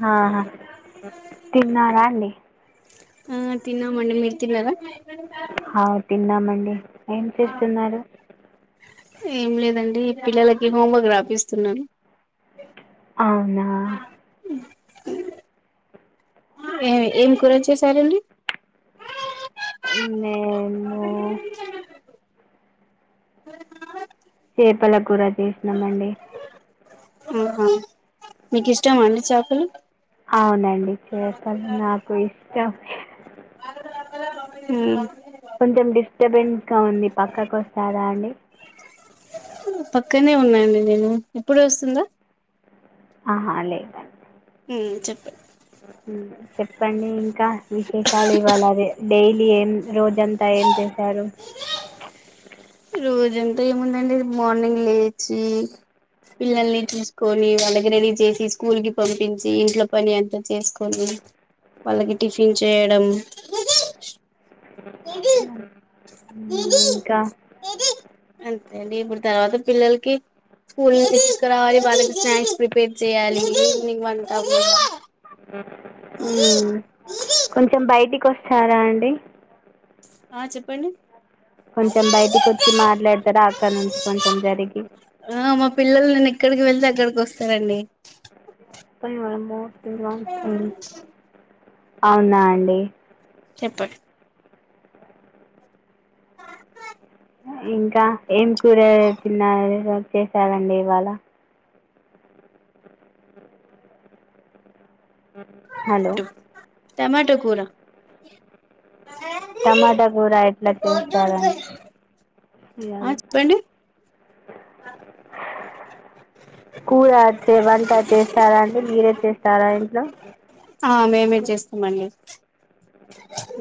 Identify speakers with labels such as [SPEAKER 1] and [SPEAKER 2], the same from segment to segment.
[SPEAKER 1] హ హ తిన్నార అడి
[SPEAKER 2] ఆ తిన్నా మండి మీరు తిన్నార
[SPEAKER 1] ఆ తిన్నామండి ఏం చేస్తున్నారు
[SPEAKER 2] ఏం లేదండి పిల్లలకి హోంవర్క్ రాపిస్తున్నాను
[SPEAKER 1] అవునా
[SPEAKER 2] ఏమి ఏం కూర చేసారండి
[SPEAKER 1] నే
[SPEAKER 2] అ అ
[SPEAKER 1] చేేపల కూర చేసినామండి
[SPEAKER 2] ఆహా మీకు ఇష్టం అడిచకులు
[SPEAKER 1] అవునండి చెప్పలు నాకు ఇష్టం
[SPEAKER 2] ఉమ్
[SPEAKER 1] పంచం ద డిస్టర్బెన్స్గా ఉంది పక్కకి వస్తుందా అండి
[SPEAKER 2] పక్కనే ఉన్నాడి నేను ఇప్పుడు వస్తుందా
[SPEAKER 1] ఆహా అ లేే
[SPEAKER 2] ఉ చెప్పె
[SPEAKER 1] ఉ చెప్పండి ఇంకా విశేషాలు ఇవ్వాలదే డైలీ ఏం రోజంతా ఏం చేసారు
[SPEAKER 2] రోజంతా ఏముందండి మార్నింగ్ లేచి పిల్లల్ని చూసుకొని వాళ్ళకి రెడి చేసి స్కూల్ కి పంపించి ఇంట్లో పని అంత చేసుకొని వాళ్ళకి టిఫిన్ చేయడం ముదు
[SPEAKER 1] ఉమ్, ఇంకా
[SPEAKER 2] ముద్ అంతే అండి ఇప్పుడు తర్వాత పిల్లలకి స్కూల్ నుండి తీసుకరావాలి వాళ్ళకి స్నాక్స్ ప్రిపేర్ చేయ్యాలి ఈవినింగ్ వంట వన్
[SPEAKER 1] ఉ కొంచెం బయటికొస్తారా అండి
[SPEAKER 2] ఆ చెప్పండి
[SPEAKER 1] కొంచెం బయటికొచ్చి మాట్లాడతరా అక్కడ్నుంచి కొంచెం జరిగి
[SPEAKER 2] ఆ మా పిల్లలు నేను ఎక్కడికి వెళ్తే అక్కడికి వస్తారండి
[SPEAKER 1] పై వన్మొర్ [unintelligible] అవునా అండి
[SPEAKER 2] చెప్పండ్
[SPEAKER 1] ఇంకా ఏంక్ కూరగాయసిన్నారేసం చేసారండి ఇవాళ హలో
[SPEAKER 2] టమాట కూరా
[SPEAKER 1] టమాటా కూర ఎట్లా చేస్తారండి ఇయాద్
[SPEAKER 2] ఆ
[SPEAKER 1] నా
[SPEAKER 2] చెప్పండి
[SPEAKER 1] కూర అచ్చే వంట చేస్తారా అండి మీరే చేస్తారా ఇంట్లో
[SPEAKER 2] ఆ మేమే చేస్తామండి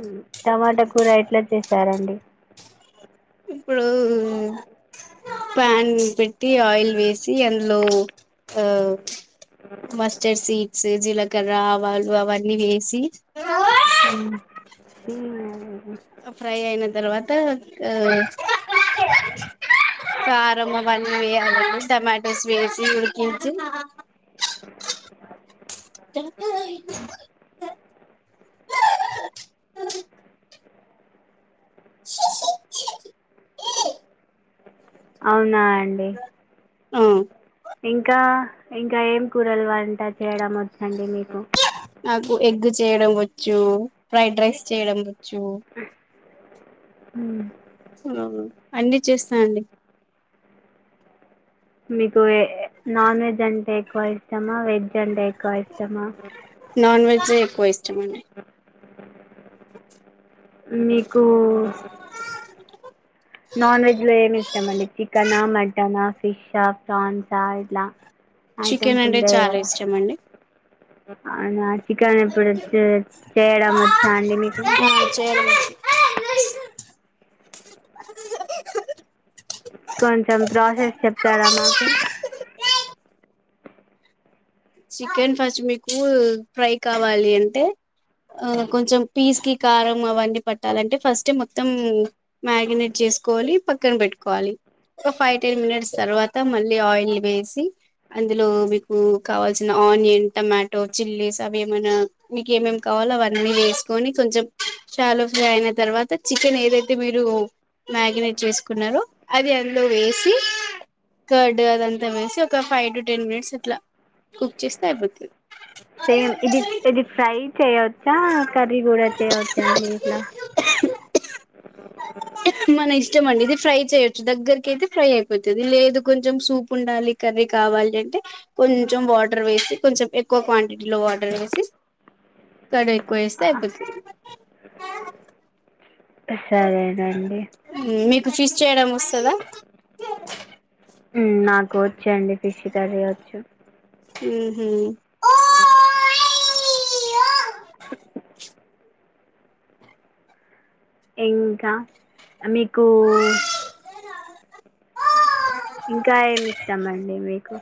[SPEAKER 1] ఉ టమాటా కూర ఎట్లా చేసారండి
[SPEAKER 2] ఇప్పుడు ఉ ప్యాన్ పెట్టి ఆయిల్ వేసి అందులో అవ్ మస్టర్డ్ సీడ్స్ జిలక్ కర ఆవాలు అవన్నీ వేసి
[SPEAKER 1] ఉ
[SPEAKER 2] ఫ్రై అయిన తర్వాత ఆ కారం అవన్నీ వేయాలండి టమాటోస్ వేసి ఉడికించి [unintelligible]
[SPEAKER 1] అవునాయ్ అండి
[SPEAKER 2] ఆ
[SPEAKER 1] ఇంకా ఇంకా ఏం కూరలు వంట చేయడం వొచ్చండి మీకు
[SPEAKER 2] నాకు ఎగ్ చేయడం వచ్చు ఫ్రైడ్ రైస్ చేయడం వచ్ చ్చు
[SPEAKER 1] ఉ
[SPEAKER 2] నాగు అన్ని చేస్తా అండి
[SPEAKER 1] మీకు ఏ నాన్ వెజ్ అంటే ఎక్కువ ఇష్టమా వెజ్ అంటే ఎక్కువ ఇష్టమా
[SPEAKER 2] నాన్ వెజే ఎక్కువ ఇష్టం అండి
[SPEAKER 1] అ ఉన్ని నాన్ వెజ్ లో ఏమి ఇష్ట మండి చికెనా మటనా ఫిష్ ఆ ప్రాన్స్ ఆ ఇట్లా
[SPEAKER 2] చికెన్ అంటే చాలా ఇష్టం అండి
[SPEAKER 1] అయినాడు చికెన్ ఇప్పుడు చే చేయడం వచ్చా అండి మీకు
[SPEAKER 2] చేయడం ఆ
[SPEAKER 1] కొంచెం ప్రాసెస్ చెప్తారా మాకు
[SPEAKER 2] చికెన్ ఫస్ట్ మీకు ఫ్రై కావాలి అంటే కొంచెం పీస్ కి కారం అవన్నీ పట్టాలంటే ఫస్ట్ మొత్తం మ్యాగినేట్ చేసుకోవాలి పక్కన పెట్టుకోవాలి ఒక ఫైవ్ టెన్ మినిట్స్ తర్వాత మళ్ళీ ఆయిల్ వేసి అందులో మీకు కావాల్సిన ఆనియన్ టమాటో చిల్లీస్ అవి ఏమనా మీకు ఏమేమి కావాలో అవన్నీ వేసుకొని కొంచెం షాలో ఫ్రై అయిన తర్వాత చికెన్ ఏదైతే మీరు మ్యాగినేట్ చేసుకున్నారో అది అందులో వేసి కర్డ్ అదంతా వేసి ఒక ఫైవ్ టు టెన్ మినిట్స్ అట్లా కుక్ చేస్తే అయ్యిపోద్ది
[SPEAKER 1] సేమ్ ఇది ఇది ఫ్రై చేయవచ్చా కర్రీ గూడా చేయవచ్చా అండి ఇట్లా
[SPEAKER 2] ఇష్టంమండి ఇది ఫ్రై చేయచ్చు దగ్గరకైతే ఫ్రై అయిపోతది లేదు కొంచెం సూప్ ఉండాలి కర్రీ కావాలి అంటే కొంచెం వాటర్ వేసి కొంచెం ఎక్కువ క్వాంటిటీలో వాటర్ వేసి కడఏక్ కో ఏస్తే
[SPEAKER 1] ఆ,
[SPEAKER 2] అయ్యిపోతది
[SPEAKER 1] సరేనండి
[SPEAKER 2] మీకు ఫిష్ చేయడం వస్తాదా
[SPEAKER 1] ఉ నాకు వచ్చే అండి ఫిష్ కర్రీ వచ్చు
[SPEAKER 2] హ హ
[SPEAKER 1] ఇంకా మీకు ఇంకా ఏమి ఇస్తామండి మీకు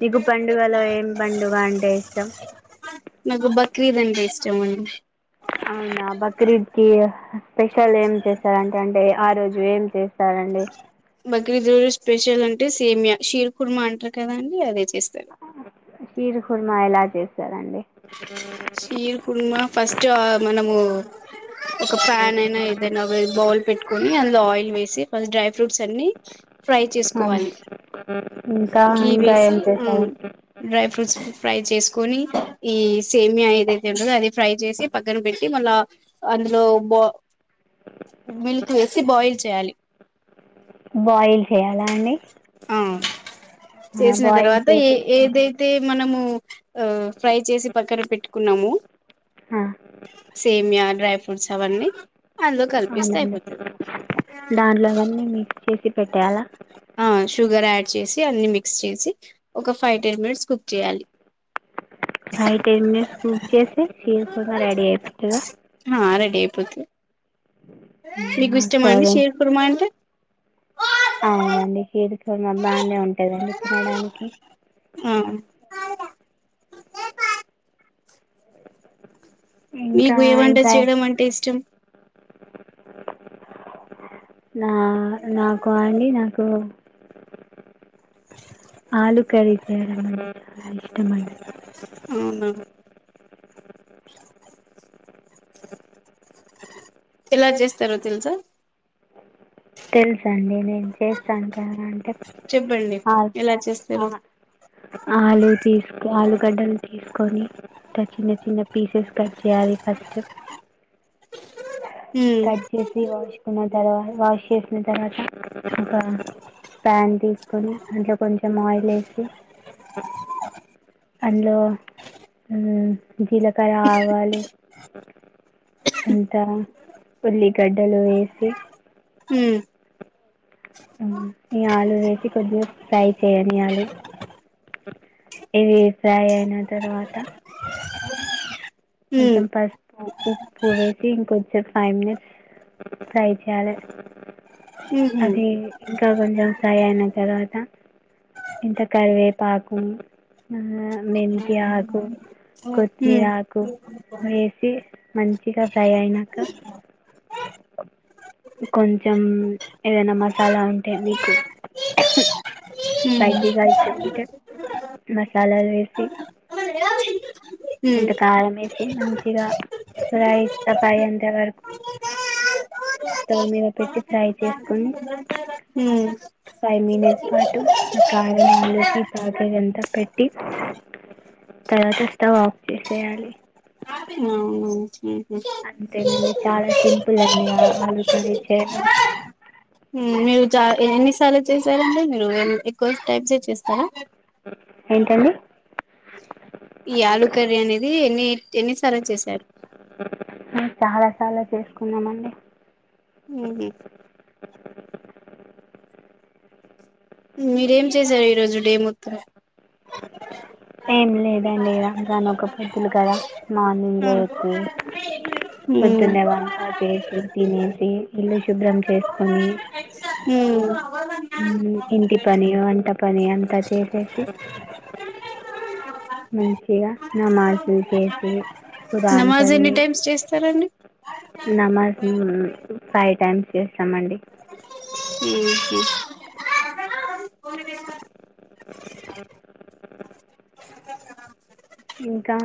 [SPEAKER 1] నగు పండుగలో ఏం పండుగ అంటే ఇష్టం
[SPEAKER 2] నాకు బక్రీద అండి ఇష్టం అండి
[SPEAKER 1] అవునా బక్రీద్ కి స్పెషల్ ఏం చేస్తారంటే అంటే ఆ రోజు ఏం చేస్తారంండి
[SPEAKER 2] బగ్రీదోడు స్పెషల్ అంటే సేమ్యా షీర కుర్మ అంటారు కదా అండి అదే చేస్తారు
[SPEAKER 1] షీర్ ఖుర్మా ఎలాజే
[SPEAKER 2] సీర్ కుడుమా ఫస్ట్ మనము ఒక ఫ్యాన్ అయినా ఏదైనా బౌల్ పెట్టుకొని అ ఆయిల్ వేసి ఫస్ట్ డ్రై ఫ్రూట్స్ అన్ని ఫ్రై
[SPEAKER 1] ఆ,
[SPEAKER 2] చేసుకోవాలి
[SPEAKER 1] ఇంకా
[SPEAKER 2] గీ
[SPEAKER 1] ఇంకా
[SPEAKER 2] వేసి
[SPEAKER 1] ఏం
[SPEAKER 2] ఉమ్
[SPEAKER 1] చేశారు
[SPEAKER 2] డ్రై ఫ్రూట్స్ ఫ్రై చేసుకొని ఈ సేమ్య ఏదైతే ఉంటందో అది ఫ్రై చేసి పక్కన పెట్టి మళ్ళా, అందులో బా మిల్క్ వేసి బాయిల్ చేయాలి
[SPEAKER 1] బాయిల్ చేయాలా అండి
[SPEAKER 2] ఆ
[SPEAKER 1] ఆ,
[SPEAKER 2] చేసిన
[SPEAKER 1] బాయిల్
[SPEAKER 2] తర్వాత ఏ
[SPEAKER 1] చేసిన తర్వాత
[SPEAKER 2] ఏదైతే మనము ఆ ఫ్రై చేసి పక్కన పెట్టుకున్నాము
[SPEAKER 1] హా
[SPEAKER 2] సేమ్య డ్రై ఫ్రూట్స్ అవన్నీ అందులో కల్పిస్తే
[SPEAKER 1] అవునండి
[SPEAKER 2] అయిపోతది
[SPEAKER 1] దాంట్లో అన్నీ మిక్స్ చేసి పెట్టాలా
[SPEAKER 2] ఆ షుగర్ యాడ్ చేసి అ మిక్స్ చేసి ఒక ఫైవ్ టెన్ మినిట్స్ కుక్ చేయాలి
[SPEAKER 1] ఫై టెన్ మినిట్స్ కుక్ చేసి చీరకుడా రెడీ అయిపోతుగా
[SPEAKER 2] ఆ రెడీ అయిపోతది మీకు ఇష్టమా అండి
[SPEAKER 1] సరే
[SPEAKER 2] షేర్ కుర్మా అంట ఓ
[SPEAKER 1] అవునండి హ ఇ మా బా అనే ఉంటాదండి తినడానికి
[SPEAKER 2] ఆ
[SPEAKER 1] ఇంకా
[SPEAKER 2] మీకు ఏమంట
[SPEAKER 1] ఇంకా
[SPEAKER 2] చేయడం అంటే ఇష్టం
[SPEAKER 1] నా నాకు ఆడి నాకు ఆలు కర్రీ చేయడం అండి చాలా ఇష్టం అండి
[SPEAKER 2] అవును ఎలా చేస్తారో తెలుసా
[SPEAKER 1] తెలుస అండి నేను చేస్తాను కదా అంటే
[SPEAKER 2] చెప్పండి ఎలా చేస్తారు
[SPEAKER 1] ఆలు తీసుకో ఆలుగడ్డలు తీసుకో కకని చిన్న చిన్న పీసెస్ కట్ చేయాలి ఫస్ట్
[SPEAKER 2] హ్మ్
[SPEAKER 1] కట్ చేసి స్కున్నా తరువై వాష్ సిన తర్వాత ఒక పన్ తీసుకొని అందులో కొంచెం ఆయిల్ వసి అందులో జీలకర్ర ఆవాలు అంత ఉల్లిగడ్డలు వేసి
[SPEAKER 2] హ్మ్
[SPEAKER 1] ఈ ఆలు వేసి కొద్దిగా ఫ్రై చేయనియ్యాలి ఇవి ఫ్రై అయిన తర్వాత
[SPEAKER 2] హ్మ్
[SPEAKER 1] కొంచెం పసుపు ఉప్పు వేసి ఇంకొచ్చ ఫైవ్ మినిట్స్ ఫ్రై చేయాలి
[SPEAKER 2] ఊహూ
[SPEAKER 1] అది ఇంకా కొంచెం ఫ్రై అయిన తర్వాత ఇంత కరివేపాకు మెంతి ఆకు కొత్తిమీర
[SPEAKER 2] హ్మ్
[SPEAKER 1] ఆకు వేసి మంచిగా ఫ్రై అయినాక కొంచెం ఏదైనా మసాలా ఉంటే మీకు స్పైసీగా ఇస్టముంటే మసాలాలు వేసి
[SPEAKER 2] హ్మ్ హ్మ్
[SPEAKER 1] ఇంత కారం వేసి మంచిగా ఫ్రైస్త ఫై అంతే వరకు స్టవ్ మీద పెట్టి ఫ్రై చేసుకొని ఫైవ్ మినిట్స్ పాటు ఆ కారం
[SPEAKER 2] హ్మ్
[SPEAKER 1] ఆలుూకి తాక అంతా పెట్టి తర్వాత స్టవ్ ఆఫ్ చేసేయాలి అంతేనండి చాలా సింపుల్ అండి ఆ ఆలు కర్రీ చేడం
[SPEAKER 2] మీరు చ ఎన్నిసార్లు చేసారండీ మీరు ఎక్కువ టైమ్స్ చేస్తారా
[SPEAKER 1] ఏంటండి
[SPEAKER 2] ఈ ఆలు కర్రీ అనేది ఎన్ని ఎన్నిసార్లు చేశారు
[SPEAKER 1] చాలా సార్లు చేసుకున్నామండి
[SPEAKER 2] మీరేం చేశారు ఈ రోజు డేమ్ వత్త
[SPEAKER 1] ఏం లేదండి రంజాన్ ఒక పొద్దులు కదా మార్నింగ్ లేతే పొద్దునే వంట చేసి తినేసి ఇల్లు శుభ్రం చేసుకొని
[SPEAKER 2] ఉ
[SPEAKER 1] ఉ ఇంటి పని వంట పని అంతా చేసేసి మంచిగా నా మార్సులు చేసి ఖురాన్
[SPEAKER 2] నమాజ్ ఎన్ని టైమ్స్ చేస్తారండి
[SPEAKER 1] నమజ ఫైవ్ టైమ్స్ చేస్తామండి
[SPEAKER 2] ఉ
[SPEAKER 1] ఇంకా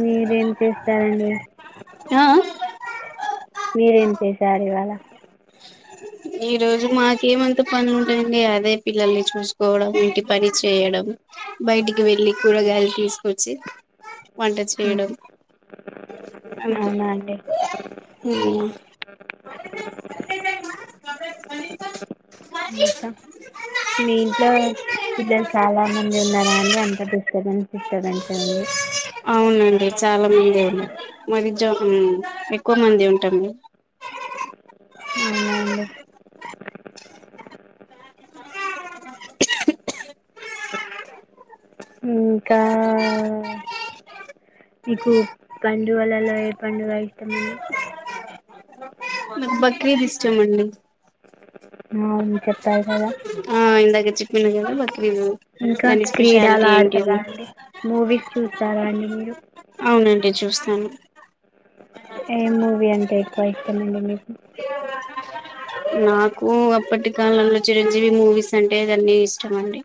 [SPEAKER 1] మీరేం చేస్తారండి
[SPEAKER 2] ఆ ఆ
[SPEAKER 1] మీరేం చేసారు ఇవాళ
[SPEAKER 2] ఈ రోజు మాకేమంత పని ఉంటుదండి అదే పిల్లల్ని చూసుకోవడం ఇంటి పని చేయడం బయటికి వెళ్లి కూరగాయలు తీసుకొచ్చి వంట చేయడం
[SPEAKER 1] అ
[SPEAKER 2] అంతే
[SPEAKER 1] ఇంకా మీ ఇంట్లో పిల్లలు చాలా మంది ఉన్నారా అండి అంత డిస్టబెన్స్ డిస్టర్బెన్సే ఉంది
[SPEAKER 2] అవునండి చాలా మంది ఉన్నారు మాది జ ఎక్కువ మంది ఉంటాం
[SPEAKER 1] అవునా అండి ఇంకా నీకు పండుగలలో ఏ పండుగ ఇష్టమండి
[SPEAKER 2] నాకు బక్రీద్ ఇష్టం అండి
[SPEAKER 1] అవును చెప్పారు కదా
[SPEAKER 2] ఆ ఇందాక చెప్పిన కదా బక్రీద్
[SPEAKER 1] ఇంకా
[SPEAKER 2] దాని
[SPEAKER 1] క్రీడలు
[SPEAKER 2] స్పెషాలిటీ
[SPEAKER 1] ఆడతారా
[SPEAKER 2] ఏంటిది
[SPEAKER 1] అండి మూవీస్ చూస్తారా అండి మీరు
[SPEAKER 2] అవునండి చూస్తాను
[SPEAKER 1] ఏ మూవీ అంటే ఎక్కువ ఇష్టమండి మీకు
[SPEAKER 2] నాకు అప్పటి కాలంలో చిరంజీవి మూవీస్ అంటే ఇదన్నీ ఇష్టం అండి